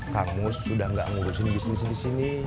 kang mus sudah gak ngubur sini bisnisnya di sini